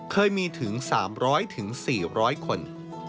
เคยมีถึงสามร้อยถึงสี่ร้อยคน